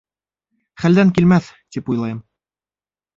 Хәлдән килмәҫ, тип уйлайым